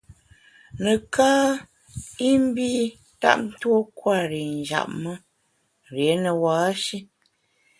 Neká i mbi ntap tuo kwer i njap me, rié ne ba-shi.